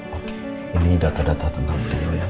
oke ini data data tentang beliau ya